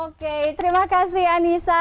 oke terima kasih anissa